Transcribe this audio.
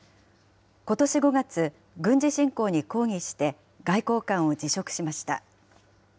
ことし５月、軍事侵攻に抗議して、外交官を辞職しました。